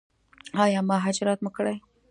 ایا مهاجرت مو کړی؟